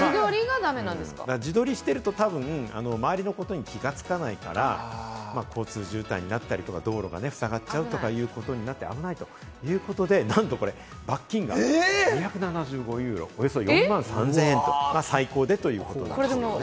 自撮りしてると、たぶん周りのことに気が付かないから、交通渋滞になったりとか、道路がふさがっちゃうということになって危ないということで、なんとこれ罰金が２７５ユーロ、およそ４万３０００円、最高でということですけれども。